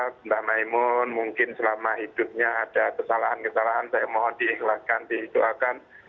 mbak maimun mungkin selama hidupnya ada kesalahan kesalahan saya mohon diikhlaskan didoakan